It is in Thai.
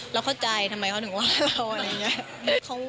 เราเข้าใจทำไมเขาถึงว่าเราอะไรอย่างนี้